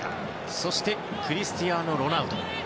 そしてクリスティアーノ・ロナウド。